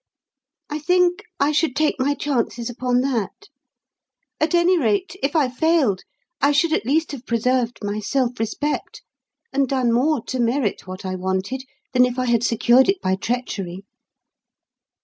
I think I should take my chances upon that. At any rate, if I failed, I should at least have preserved my self respect and done more to merit what I wanted than if I had secured it by treachery.